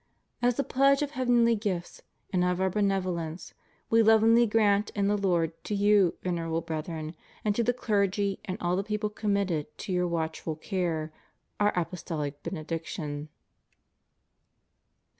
As a pledge of heavenly gifts and of Our benevolence We lovingly grant in the Lord, to you, Venerable Breth, ren, and to the clergy and all the people committed ti your watchful care. Our Apostolic Benediction.